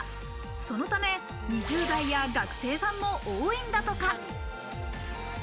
そのため２０代や学生も多いんだとか。